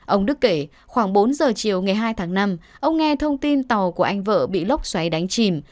ông đức kể khoảng bốn giờ chiều ngày hai tháng năm ông nghe thông tin tàu của anh vợ bị lốc xoáy đánh chìm